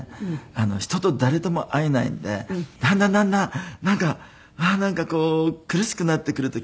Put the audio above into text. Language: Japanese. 人と誰とも会えないのでだんだんだんだんなんかなんかこう苦しくなってくる時もあったんですよ。